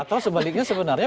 atau sebaliknya sebenarnya